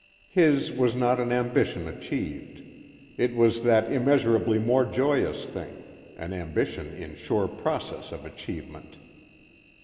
His was not an ambition achieved. It was that immeasurably more joyous thing, an ambition in sure process of achievement.